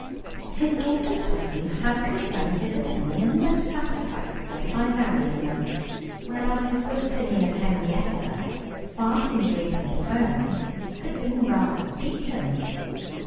His daughters' husbands had confirmed his opinion in the most satisfactory way by marrying them, whereas his good opinion of Henrietta, far from being confirmed, had been rather weakened.